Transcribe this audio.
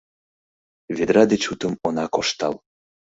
Ведра деч утым она коштал.